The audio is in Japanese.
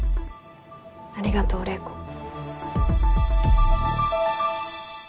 ありがとう玲子。